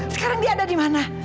sekarang dia ada dimana